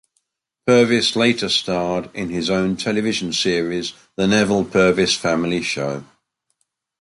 Purvis later starred in his own television series, The Neville Purvis Family Show.